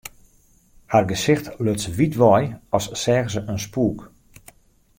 Har gesicht luts wyt wei, as seach se in spûk.